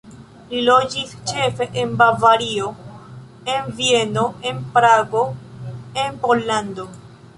Li loĝis ĉefe en Bavario, en Vieno, en Prago, en Pollando.